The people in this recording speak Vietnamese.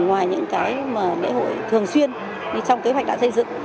ngoài những lễ hội thường xuyên trong kế hoạch đã xây dựng